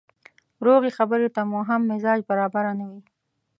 روغې خبرې ته مو هم مزاج برابره نه وي.